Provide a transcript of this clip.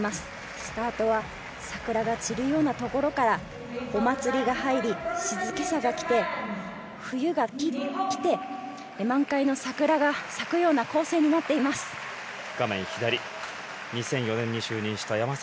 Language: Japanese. スタートは桜が散るようなところからお祭りが入り静けさが来て、冬が来て満開の桜が咲くような構成になっています。